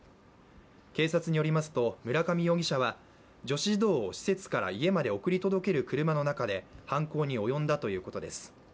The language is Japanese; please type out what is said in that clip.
警察によりますと村上容疑者は女子児童を施設から家まで送り届ける車の中で犯行に及んだということです。